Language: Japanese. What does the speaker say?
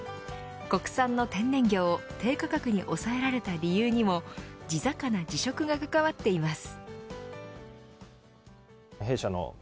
国産の天然魚を低価格に抑えられた理由も地魚地食が関わっています。